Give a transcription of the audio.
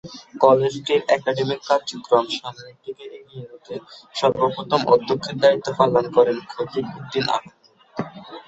কলেজটির academic কার্যক্রম সামনের দিকে এগিয়ে নিতে সর্বপ্রথম অধ্যক্ষের দায়িত্ব পালন করেন খতিব উদ্দিন আহমেদ।